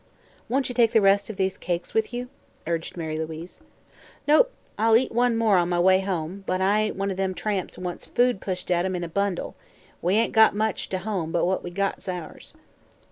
"Won't you take the rest of these cakes with you?" urged Mary Louise. "Nope. I'll eat one more, on my way home, but I ain't one o' them tramps that wants food pushed at 'em in a bundle. We ain't got much to home, but what we got's ours."